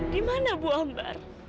di mana bu ambar